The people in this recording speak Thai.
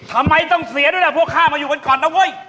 ทำไมต้องเสียด้วยล่ะพวกข้ามาอยู่กันก่อนนะเว้ย